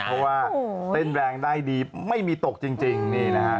เพราะว่าเต้นแรงได้ดีไม่มีตกจริงนี่นะฮะ